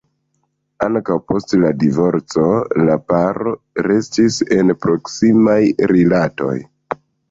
Ankaŭ post la divorco la paro restis en proksimaj rilatoj.